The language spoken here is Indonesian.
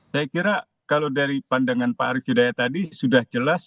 saya kira kalau dari pandangan pak arief hidayat tadi sudah jelas